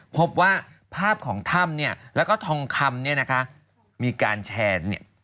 พบว่าภาพของถ้ำแล้วก็ทองคำมีการแชร์